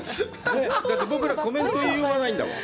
だって僕らコメント言いようがないんだもん。